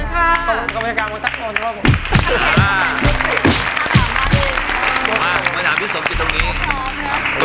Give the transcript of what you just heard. มาถามพี่สมจิตตรงนี้